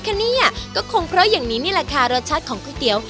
คะเนี่ยก็คงเพราะอย่างนี้นี่แหละค่ะรสชาติของก๋วยเตี๋ยว